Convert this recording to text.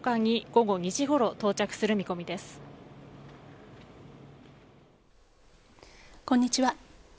こんにちは。